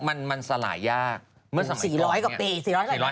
มันสลายยากเมื่อสมัยก่อนเนี่ย